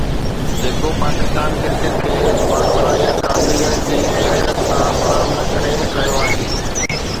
جيڪو پاڪستان ڪرڪيٽ کي باصلاحيت رانديگرن جي تعدد سان فراهم نه ڪري رهيو آهي.